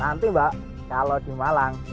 nanti mbak kalau di malang